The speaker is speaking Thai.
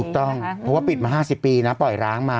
เพราะว่าปิดมา๕๐ปีนะปล่อยร้างมา